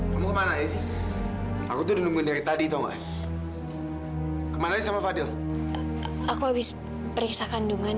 kamu kemana ya aku tuh nunggu dari tadi tahu kemana sama fadil aku habis periksa kandungan